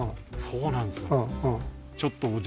そうなんですね